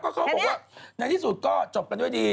เขาบอกว่าในที่สุดก็จบกันด้วยดี